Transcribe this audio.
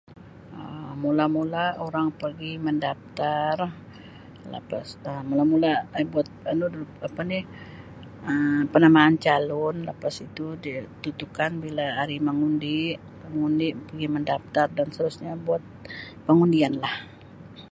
Um Mula-mula orang pegi mendaptar lepas Um mula-mula Um buat anu dulu Um apa ni Um penamaan calon lepas itu dia tetukan bila hari mengundi. Hari mengundi, pigi mendaptar dan seterusnya buat pengundian lah.